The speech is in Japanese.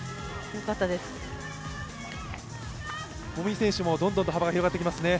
籾井選手もどんどんと幅が広がってきますね。